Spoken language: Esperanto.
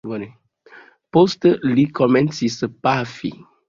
Poste li komencis pafi.